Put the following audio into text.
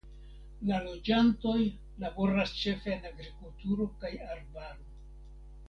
La loĝantoj laboras ĉefe en agrikulturo kaj arbaro.